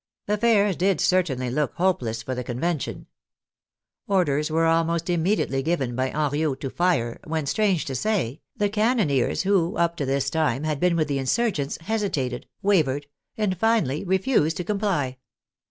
Affairs did certainly look hopeless for the Convention. Orders were almost immediately given by Henriot to fire, when, strange to say, the can noneers who, up to this time, had been with the insur gents, hesitated, wavered, and finally refused to comply.